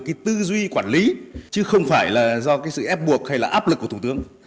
nó xuất phát từ tư duy quản lý chứ không phải là do sự ép buộc hay là áp lực của thủ tướng